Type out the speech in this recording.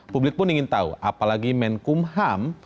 publik pun ingin tahu apalagi menkumham